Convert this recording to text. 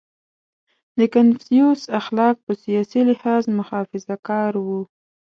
• د کنفوسیوس اخلاق په سیاسي لحاظ محافظهکار وو.